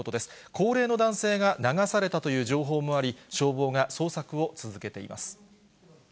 高齢の男性が流されたという情報もあり、消防が捜索を続けています。